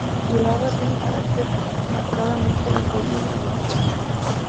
La obra tiene un carácter marcadamente autobiográfico.